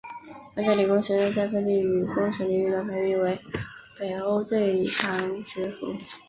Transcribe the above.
皇家理工学院在科技与工程领域的排名为北欧最强学府。